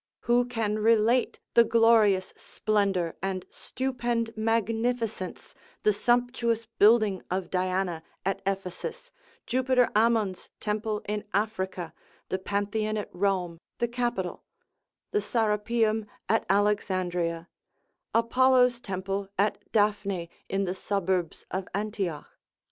Who can relate the glorious splendour, and stupend magnificence, the sumptuous building of Diana at Ephesus, Jupiter Ammon's temple in Africa, the Pantheon at Rome, the Capitol, the Sarapium at Alexandria, Apollo's temple at Daphne in the suburbs of Antioch.